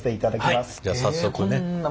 じゃあ早速ね。